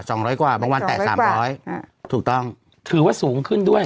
ร้อยกว่าบางวันแตะสามร้อยอ่าถูกต้องถือว่าสูงขึ้นด้วย